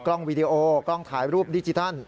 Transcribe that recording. วีดีโอกล้องถ่ายรูปดิจิทัล